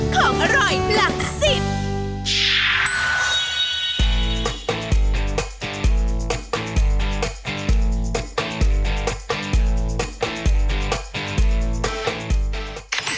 ของอร่อยหลักสิบ